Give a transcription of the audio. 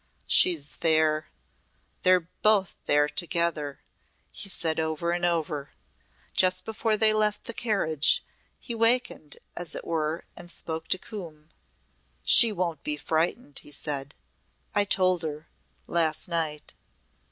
She's there! They're both there together!" he said over and over. Just before they left the carriage he wakened as it were and spoke to Coombe. "She won't be frightened," he said. "I told her last night."